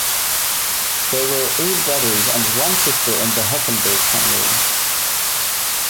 There were eight brothers and one sister in the Heckenberg family.